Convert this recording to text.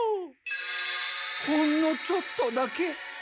ほんのちょっとだけ？